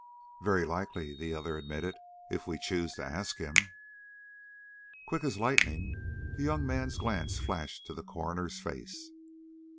"Very likely," the other admitted, "if we choose to ask him." Quick as lightning the young man's glance flashed to the coroner's face.